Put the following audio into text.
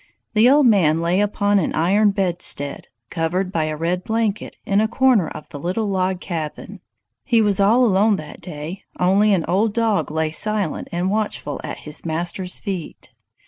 The old man lay upon an iron bedstead, covered by a red blanket, in a corner of the little log cabin. He was all alone that day; only an old dog lay silent and watchful at his master's feet.